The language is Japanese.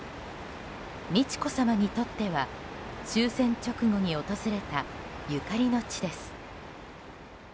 美智子さまにとっては終戦直後に訪れたゆかりの地です。